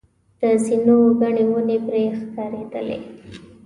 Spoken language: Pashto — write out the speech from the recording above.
د زیتونو ګڼې ونې پرې ښکارېدلې.